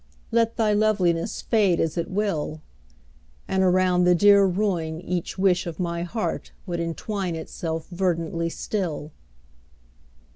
Let thy loveliness fade as it will. And around the dear ruin each wish of my heart Would entwine itself verdantly still.